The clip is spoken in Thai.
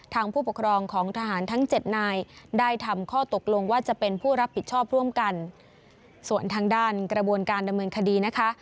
ผู้ปกครองของทหารทั้งเจ็ดนายได้ทำข้อตกลงว่าจะเป็นผู้รับผิดชอบร่วมกันส่วนทางด้านกระบวนการดำเนินคดีนะคะ